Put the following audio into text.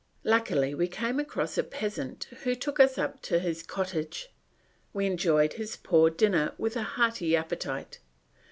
Luckily we came across a peasant who took up to his cottage; we enjoyed his poor dinner with a hearty appetite.